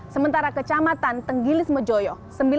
sementara kecamatan tenggilis mejoyo